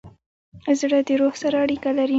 زړه د روح سره اړیکه لري.